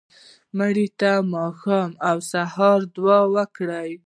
مړه ته د ماښام او سهار دعا وکړه